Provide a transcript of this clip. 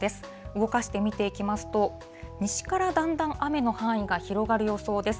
動かして見ていきますと、西からだんだん雨の範囲が広がる予想です。